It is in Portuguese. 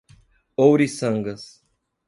Ouriçangas